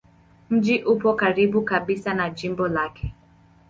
Mji upo karibu kabisa na jimbo lake.